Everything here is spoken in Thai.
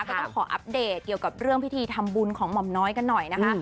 ก็ต้องขออัปเดตเกี่ยวกับเรื่องพิธีทำบุญของหม่อมน้อยกันหน่อยนะคะ